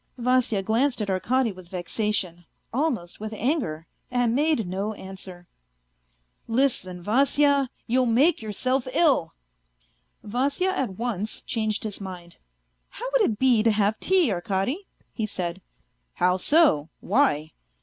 Vasya glanced at Arkady with vexation, almost with anger, and made no answer. " Listen, Vasya, you'll make yourself ill." Vasya at once changed his mind. " How would it be to have tea, Arkady ?" he said. " How so ? Why